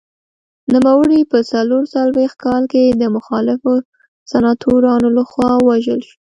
نوموړی په څلور څلوېښت کال کې د مخالفو سناتورانو لخوا ووژل شو.